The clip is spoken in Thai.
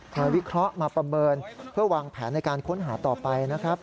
วิเคราะห์มาประเมินเพื่อวางแผนในการค้นหาต่อไปนะครับ